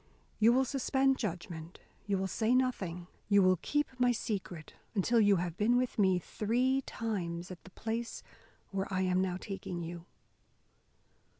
You will suspend judgment, you will say nothing, you will keep my secret, until you have been with me three times at the place where I am now taking you."